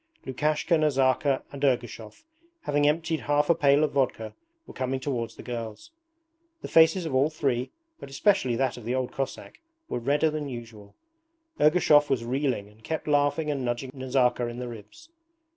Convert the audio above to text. Lukashka, Nazarka, and Ergushov, having emptied half a pail of vodka, were coming towards the girls. The faces of all three, but especially that of the old Cossack, were redder than usual. Ergushov was reeling and kept laughing and nudging Nazarka in the ribs.